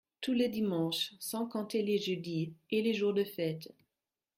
Tous les dimanches… sans compter les jeudis… et les jours de fête…